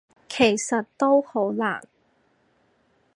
其實都好難